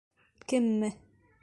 Кемме?